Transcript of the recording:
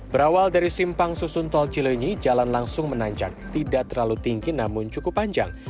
berawal dari simpang susun tol cilenyi jalan langsung menanjak tidak terlalu tinggi namun cukup panjang